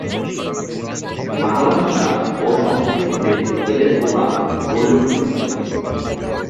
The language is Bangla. বাংলা ভাষা ও সংস্কৃতিতে এদের প্রভাব পরিলক্ষিত হয়।